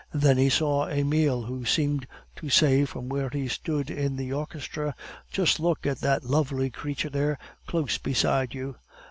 Then he saw Emile, who seemed to say from where he stood in the orchestra, "Just look at that lovely creature there, close beside you!"